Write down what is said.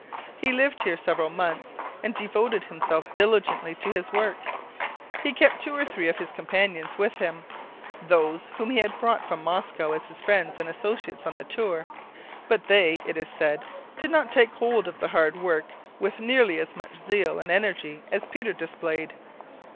He lived here several months, and devoted himself diligently to his work. He kept two or three of his companions with him those whom he had brought from Moscow as his friends and associates on the tour; but they, it is said, did not take hold of the hard work with nearly as much zeal and energy as Peter displayed.